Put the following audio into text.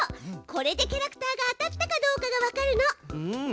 これでキャラクターが当たったかどうかがわかるの。